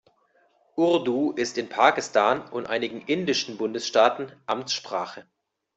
Urdu ist in Pakistan und einigen indischen Bundesstaaten Amtssprache.